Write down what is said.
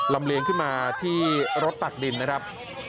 เลียงขึ้นมาที่รถตักดินนะครับ